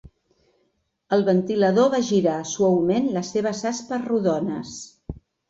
El ventilador va girar suaument les seves aspes rodones.